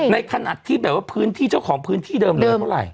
ขนาดที่แบบว่าพื้นที่เจ้าของพื้นที่เดิมเหลือเท่าไหร่